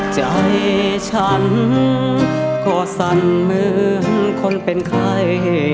ใจฉันก็สั่นเหมือนคนเป็นใคร